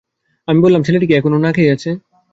আমি বললাম, ছেলেটি কি এখনো না-খেয়ে আছে?